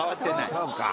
そうか。